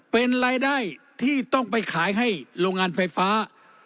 เป็นรายได้ที่ต้องไปขายให้โรงงานไฟฟ้า